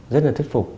rất là thất phục